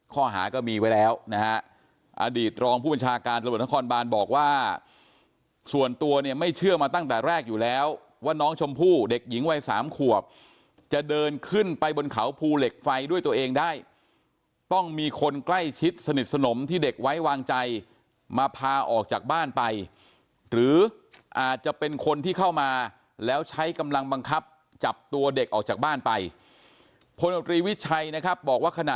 ข้อหาก็มีไว้แล้วนะฮะอดีตรองผู้บัญชาการตำรวจนครบานบอกว่าส่วนตัวเนี่ยไม่เชื่อมาตั้งแต่แรกอยู่แล้วว่าน้องชมพู่เด็กหญิงวัยสามขวบจะเดินขึ้นไปบนเขาภูเหล็กไฟด้วยตัวเองได้ต้องมีคนใกล้ชิดสนิทสนมที่เด็กไว้วางใจมาพาออกจากบ้านไปหรืออาจจะเป็นคนที่เข้ามาแล้วใช้กำลังบังคับจับตัวเด็กออกจากบ้านไปพลตรีวิชัยนะครับบอกว่าขณะ